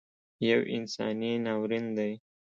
یو انساني ناورین دی